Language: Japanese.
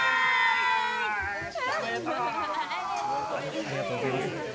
ありがとうございます。